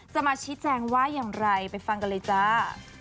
จะมาชี้แจงว่าอย่างไรไปฟังกันเลยจ้า